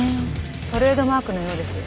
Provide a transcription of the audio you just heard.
トレードマークのようです。